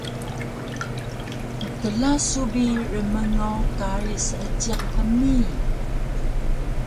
Mkla su bi rmngaw kari Seejiq hmi!